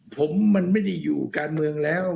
ผมมันไม่ได้อยู่การเมืองแล้ว